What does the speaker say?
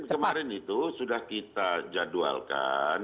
kemarin itu sudah kita jadwalkan